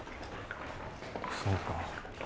そうか。